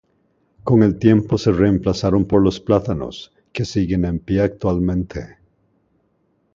Con el tiempo se reemplazaron por los plátanos, que siguen en pie actualmente.